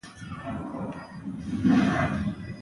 کیمیاګر د تعلیمي موسسو برخه ګرځیدلی دی.